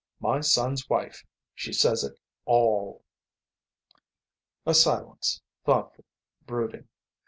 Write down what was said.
My son's wife, she says it all." A silence, thoughtful, brooding.